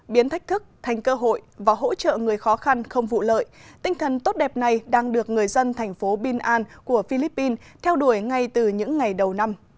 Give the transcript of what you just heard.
biến thách thức thành cơ hội và hỗ trợ người khó khăn không vụ lợi tinh thần tốt đẹp này đang được người dân thành phố binan của philippines theo đuổi ngay từ những ngày đầu năm